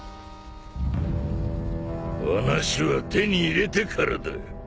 話は手に入れてからだ。